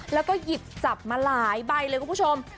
แล้วก็หยิบจับมาหลายใบเลยคุณผู้ชม